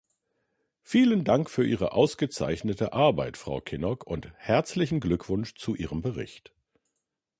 Vielen Dank für Ihre ausgezeichnete Arbeit, Frau Kinnock, und herzlichen Glückwunsch zu Ihrem Bericht.